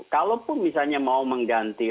kalaupun misalnya mau mengganti